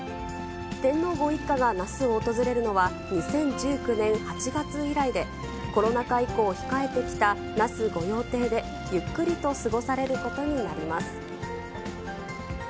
天皇ご一家が那須を訪れるのは、２０１９年８月以来で、コロナ禍以降、控えてきた那須御用邸でゆっくりと過ごされることになります。